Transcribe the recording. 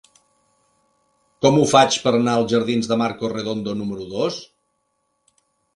Com ho faig per anar als jardins de Marcos Redondo número dos?